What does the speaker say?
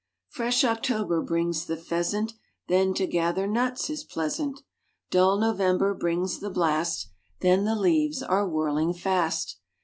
Fresh October brings the pheasant, Then to gather nuts is pleasant. Dull November brings the blast, Then the leaves are whirling fast.